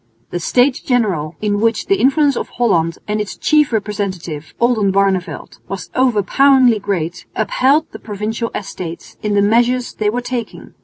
The States General, in which the influence of Holland and its chief representative, Oldenbarneveldt, was overpoweringly great, upheld the Provincial Estates in the measures they were taking.